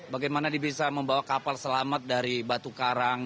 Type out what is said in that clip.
bagaimana dia bisa membawa kapal selamat dari batu karang